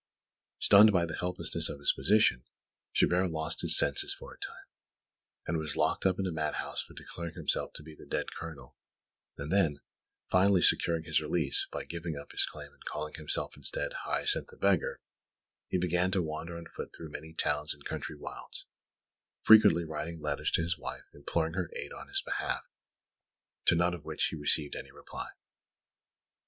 Stunned by the helplessness of his position, Chabert lost his senses for a time, and was locked up in a mad house for declaring himself to be the dead Colonel; and then, finally securing his release by giving up his claim and calling himself instead Hyacinth the Beggar, he began to wander on foot through many towns and country wilds, frequently writing letters to his wife imploring her aid on his behalf, to none of which he received any reply.